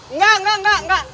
enggak enggak enggak